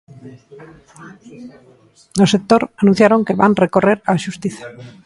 No sector anunciaron que van recorrer á xustiza.